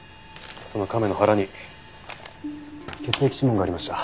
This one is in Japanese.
その亀の腹に血液指紋がありました。